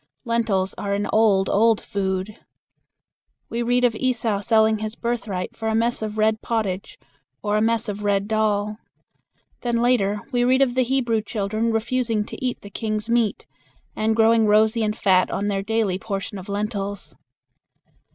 Lentils are an old, old food. We read of Esau selling his birthright for a mess of red pottage, or a mess of red dal. Then later we read of the Hebrew children refusing to eat the king's meat, and growing rosy and fat on their daily portion of lentils.